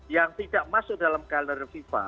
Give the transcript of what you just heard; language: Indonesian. yang tidak masuk dalam kaler fifa